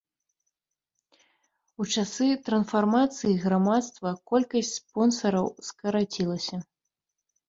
У часы трансфармацыі грамадства колькасць спонсараў скарацілася.